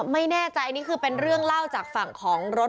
ไม่แน่ใจอันนี้คือเป็นเรื่องเล่าจากฝั่งของรถ